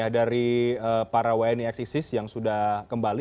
dari para wni eksisis yang sudah kembali